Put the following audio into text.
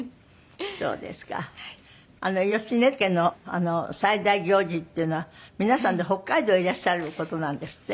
芳根家の最大行事っていうのは皆さんで北海道へいらっしゃる事なんですって？